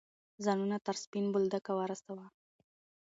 ځانونه تر سپین بولدکه ورسوه.